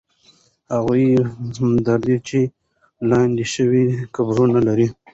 هغه هدیرې چې لاندې شوې، قبرونه لري.